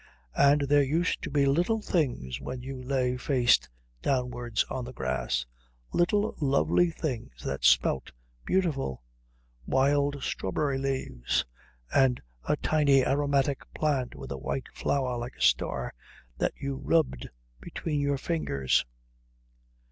And there used to be little things when you lay face downwards on the grass, little lovely things that smelt beautiful wild strawberry leaves, and a tiny aromatic plant with a white flower like a star that you rubbed between your fingers....